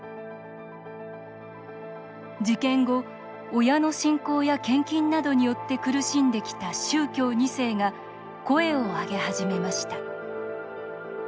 事件後、親の信仰や献金などによって苦しんできた宗教２世が声を上げ始めました